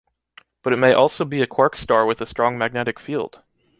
But it may also be a quark star with a strong magnetic field.